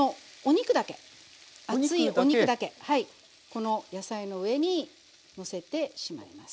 この野菜の上にのせてしまいます。